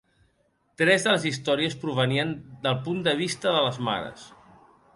Tres de les històries provenien del punt de vista de les mares.